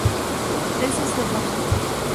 This is the donut.